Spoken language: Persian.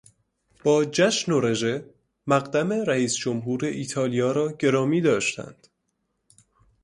با جشن و رژه مقدم رئیس جمهور ایتالیا را گرامی داشتند.